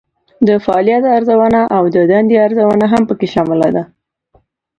د فعالیت ارزونه او د دندې ارزونه هم پکې شامله ده.